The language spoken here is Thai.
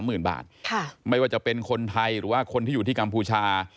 หรือว่าจะเป็นคนไทยหรือว่าคนที่อยู่ที่กัมพูชา